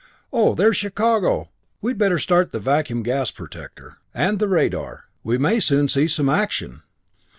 Oh, there's Chicago! We'd better start the vacuum gas protector. And the radar. We may soon see some action."